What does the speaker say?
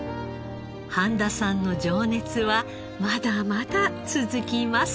半田さんの情熱はまだまだ続きます。